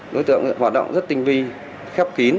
đối tượng hoạt động rất tinh vi khép kín